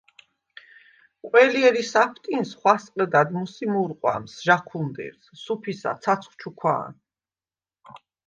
ყველჲერი საფტინს ხვასყჷდად მუსი მუ̄რყვამს ჟაჴუნდერს, სუფისა, ცაცხვ ჩუქვა̄ნ.